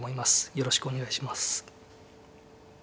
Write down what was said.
よろしくお願いします。